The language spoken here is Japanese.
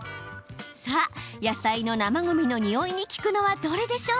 野菜の生ごみのニオイに効くのはどれでしょう。